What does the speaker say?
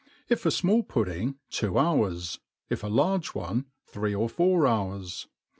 Pf a fmall puddingy two hours: if a large one, three or four hours.